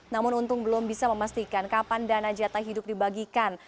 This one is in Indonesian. namun untung belum bisa memastikan kapan dana jatah hidup dibagikan